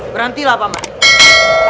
berhenti lah pak man